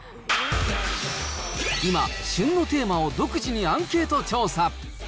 今、旬のテーマを独自にアンケート調査。